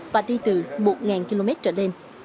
và đi từ một km trở lên